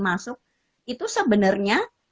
masuk itu sebenarnya